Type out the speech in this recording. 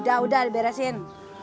ya udah udah beresin